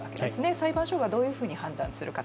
裁判所がどういうふうに判断するか。